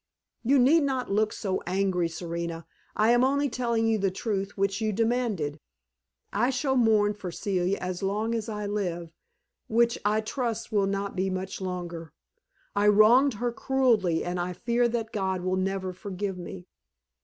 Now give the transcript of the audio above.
You need not look so angry, Serena. I am only telling you the truth, which you demanded. I shall mourn for Celia as long as I live, which, I trust will not be much longer. I wronged her cruelly, and I fear that God will never forgive me."